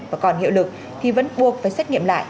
và còn hiệu lực thì vẫn buộc phải xét nghiệm lại